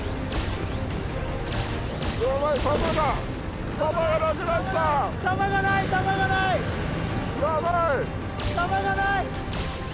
やばい弾が弾がない！